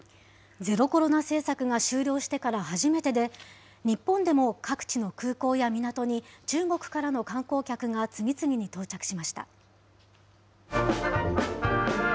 ゼロコロナ政策が終了してから初めてで、日本でも各地の空港や港に中国からの観光客が次々に到着しました。